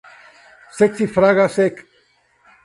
Saxifraga sect.